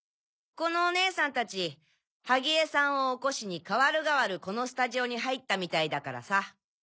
このお姉さんたち萩江さんを起こしに代わる代わるこのスタジオに入ったみたいだからさ。